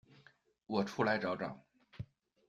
我出来找找